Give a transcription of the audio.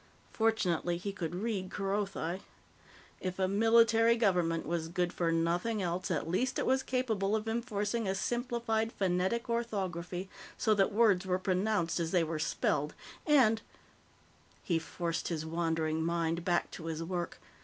Fortunately, he could read Kerothi. If a military government was good for nothing else, at least it was capable of enforcing a simplified phonetic orthography so that words were pronounced as they were spelled. And He forced his wandering mind back to his work.